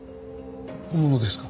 本物ですか？